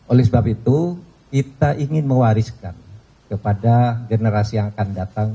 oleh sebab itu kita ingin mewariskan kepada generasi yang akan datang